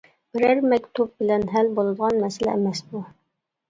بىرەر مەكتۇپ بىلەن ھەل بولىدىغان مەسىلە ئەمەس بۇ.